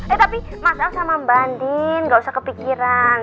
eh tapi mas al sama mbak andin gak usah kepikiran